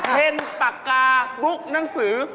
ปากกาบุ๊กหนังสือ